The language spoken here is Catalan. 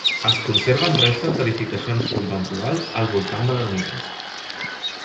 Es conserven restes d'edificacions conventuals al voltant de l'ermita.